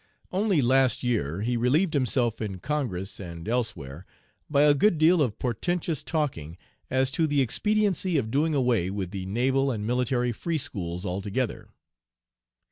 Only last year he relieved himself in Congress and elsewhere by a good deal of portentous talking as to the expediency of doing away with the naval and military free schools altogether.